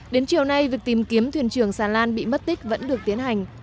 đến chiều nay việc tìm kiếm thuyền trường xà lan bị mất tích vẫn được tiến hành